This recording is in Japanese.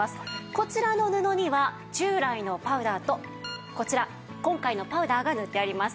こちらの布には従来のパウダーとこちら今回のパウダーが塗ってあります。